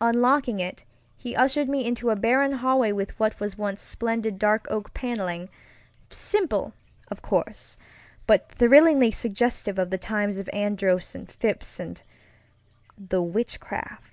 Unlocking it, he ushered me into a barren hallway with what was once splendid dark oak panelingŌĆösimple, of course, but thrillingly suggestive of the times of Andros and Phips and the Witchcraft.